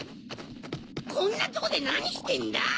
こんなとこでなにしてんだ？